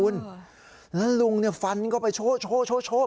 แล้วลุงฟันก็ไปโช๊บ